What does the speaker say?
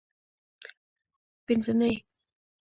پینځنۍ